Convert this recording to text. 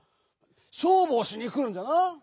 「しょうぶをしに」くるんじゃな？